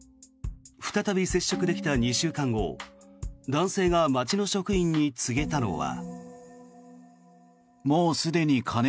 再び接触できた２週間後男性が町の職員に告げたのは。